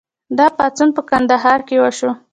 دا پاڅون په کندهار کې وشو.